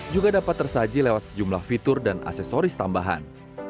juga dapat tersaji lewat sejumlah fitur dan aksesoris tambahan